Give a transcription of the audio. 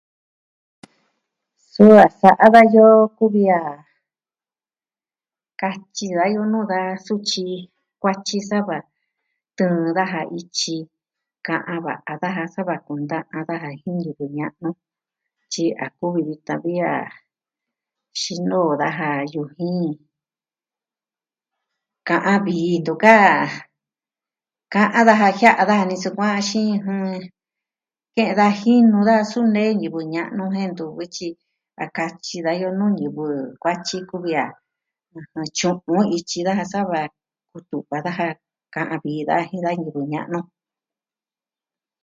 Su a sa'a dayoo kuvi a katyi dayo nuu da sutyi kuatyi sava tɨɨn daja ityi ka'an va'a daja sava kunda'a daja jin ñivɨ ña'nu tyi a kuvi vitan vi a tyinoo daja yujin. Ka'an vii ntu ka... ka'an daja jia'a daja nisukuan xi ɨjɨn, jie da jinu da su nee ñivɨ ña'nu je ntu vityi a katyi dayoo nuu ñivɨ kuatyi kuvi ra tyu'un ityi daja sava kutuva'a daja ka'an vii daja jin da ñivɨ ña'nu.